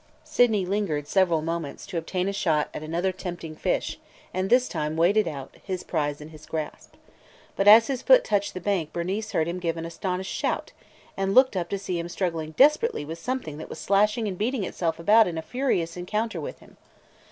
Sydney lingered several moments to obtain a shot at another tempting fish, and this time waded out, his prize in his grasp. But as his foot touched the bank Bernice heard him give an astonished shout, and looked up to see him struggling desperately with something that was slashing and beating itself about in a furious encounter with him.